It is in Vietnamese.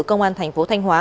công an thành phố thanh hóa